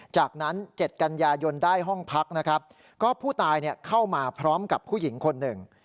จากนั้น๗กันยายนได้ห้องพักนะครับก็ผู้ตายเข้ามาพร้อมกับผู้หญิงคนหนึ่ง